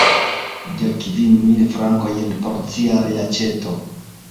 Dek kvin mil frankojn por cia reaĉeto.